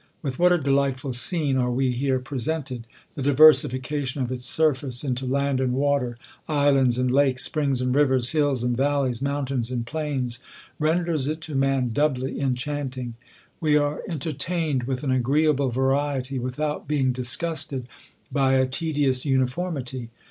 With what a delightful scene are we hei e presented ! the diversifi cation of its surface into land and water, islands and lakes, springs and rivers, hills and vallics, mountains and plains, renders it to man doubly enchanting. ^Ve are entcrtajficjEljf^ath an agreeable variety, without be ing disguste(^ 'by a tedious uniformity.